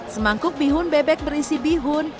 semangkuk bihun bebek berisi bihun